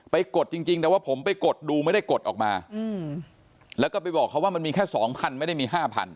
กดจริงแต่ว่าผมไปกดดูไม่ได้กดออกมาแล้วก็ไปบอกเขาว่ามันมีแค่สองพันไม่ได้มี๕๐๐